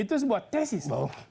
itu sebuah tesis